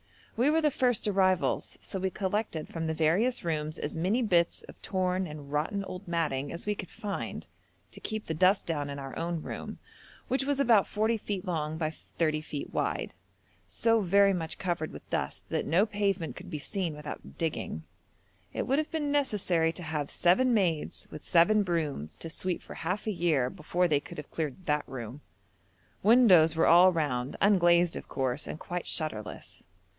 We were the first arrivals, so we collected from the various rooms as many bits of torn and rotten old matting as we could find, to keep the dust down in our own room, which was about 40 feet long by 30 feet wide, so very much covered with dust that no pavement could be seen without digging. It would have been necessary to have 'seven maids with seven brooms to sweep for half a year' before they could have cleared that room. Windows were all round, unglazed of course, and quite shutterless.